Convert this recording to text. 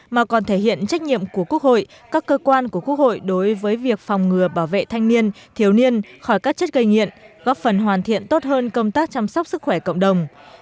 mà còn thể hiện trách nhiệm của quốc hội các cơ quan của quốc hội đối với việc phòng ngừa bảo vệ thanh niên thiếu niên khỏi các chất gây nghiện góp phần hoàn thiện tốt hơn công tác chăm sóc sức khỏe cộng đồng